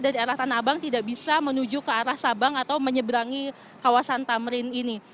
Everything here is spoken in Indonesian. dari arah tanah abang tidak bisa menuju ke arah sabang atau menyeberangi kawasan tamrin ini